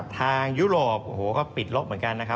ทางยุโรปก็ปิดลบเหมือนกันนะครับ